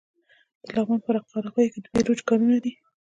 د لغمان په قرغیو کې د بیروج کانونه دي.